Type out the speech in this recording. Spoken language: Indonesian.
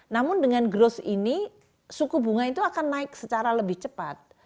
namun dengan growth ini suku bunga itu akan naik secara lebih cepat